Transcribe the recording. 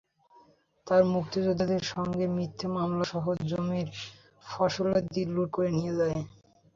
তাঁরা মুক্তিযোদ্ধাদের নামে মিথ্যা মামলাসহ জমির ফসলাদি লুট করে নিয়ে যান।